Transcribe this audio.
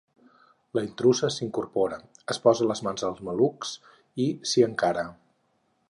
La intrusa s'incorpora, es posa les mans als malucs i s'hi encara.